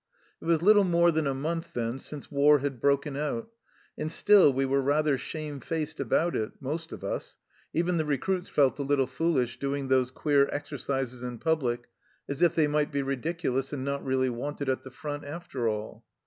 It was little more than a month then since war had broken out, and still we were rather shamefaced about it, most of us; even the recruits felt a little foolish doing those queer exercises in public, as if they might be ridiculous and not really wanted at the front after all.